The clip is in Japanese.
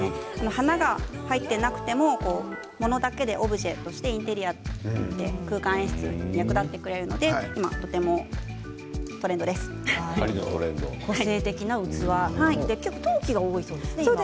花が入っていなくてもものだけでオブジェとしてインテリアで空間演出に役立ってくれるので今とても陶器が多いそうですね。